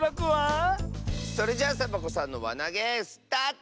それじゃあサボ子さんのわなげスタート！